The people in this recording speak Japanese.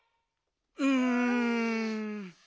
うん。